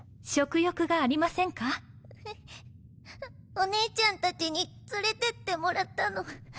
お姉ちゃんたちに連れてってもらったの。